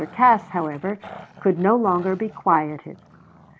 Cass, however, could no longer be quieted.